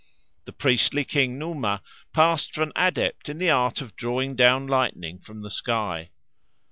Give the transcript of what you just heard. The priestly king Numa passed for an adept in the art of drawing down lightning from the sky.